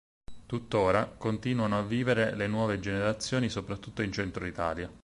Tuttora continuano a vivere le nuove generazioni soprattutto in centro Italia.